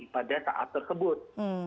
pada saat tersebut